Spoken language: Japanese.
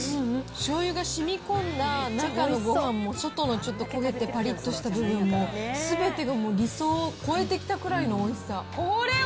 しょうゆがしみこんだ中のごはんも、外のちょっと焦げてぱりっとした部分も、すべてがもう理想を超えてきたくらいのおいしさ。